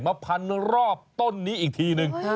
มาพันรอบต้นนี้อีกทีนึง